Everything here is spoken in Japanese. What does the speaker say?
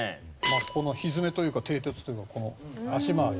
このひづめというか蹄鉄というかこの足まわり。